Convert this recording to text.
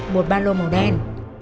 một ba lô màu đen